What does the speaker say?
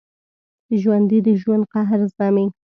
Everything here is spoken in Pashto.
ژوندي د ژوند قهر زغمي